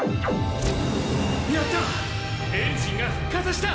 やった！